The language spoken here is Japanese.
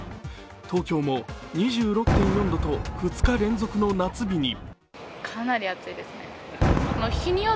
東京も２６．４度と２日連続の夏日に。